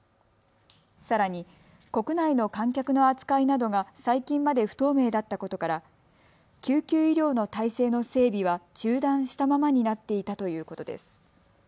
さらに国内の観客の扱いなどが最近まで不透明だったことから救急医療の態勢の整備は中断したままになっていたということです。